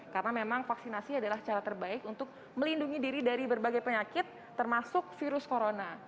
karena memang vaksinasi adalah cara terbaik untuk melindungi diri dari berbagai penyakit termasuk virus corona